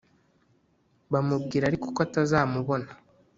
Bamubwira ariko ko atazamubona